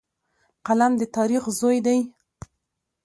قلم د تاریخ زوی دی